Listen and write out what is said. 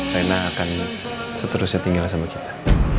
raina akan seterusnya tinggal sama kita